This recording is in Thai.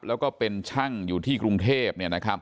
แล้วก็เป็นช่างอยู่ที่กรุงเทพ